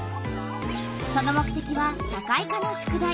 その目てきは社会科の宿題。